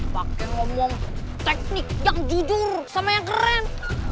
makin ngomong teknik yang jujur sama yang keren